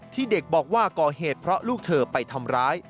ที่เด็กบอกว่าก่อเหตุเพราะลูกเธอไปทำร้าย